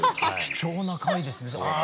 貴重な回ですね。